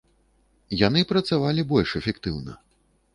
Яны працавалі больш эфектыўна.